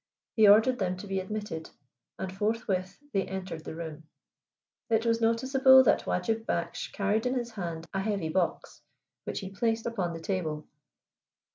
He ordered them to be admitted, and forthwith they entered the room. It was noticeable that Wajib Baksh carried in his hand a heavy box, which he placed upon the table.